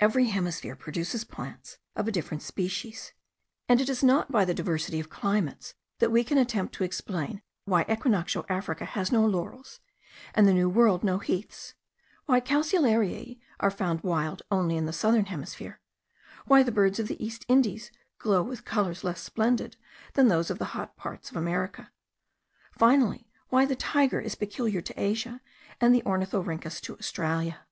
Every hemisphere produces plants of a different species; and it is not by the diversity of climates that we can attempt to explain why equinoctial Africa has no laurels, and the New World no heaths; why calceolariae are found wild only in the southern hemisphere; why the birds of the East Indies glow with colours less splendid than those of the hot parts of America; finally, why the tiger is peculiar to Asia, and the ornithorynchus to Australia.